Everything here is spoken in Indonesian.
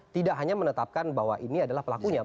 tidak hanya menetapkan bahwa ini adalah pelakunya